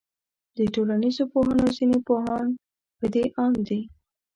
د ټولنيزو پوهنو ځيني پوهان پدې آند دي